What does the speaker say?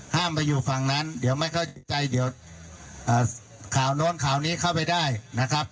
ไปอยู่ฝั่งนั้นเดี๋ยวไม่เข้าใจเดี๋ยวข่าวโน้นข่าวนี้เข้าไปได้นะครับ